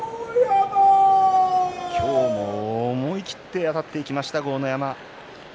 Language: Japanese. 今日も思い切ってあたっていきました、豪ノ山。